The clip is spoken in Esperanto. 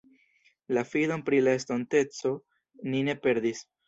La fidon pri la estonteco ni ne perdis.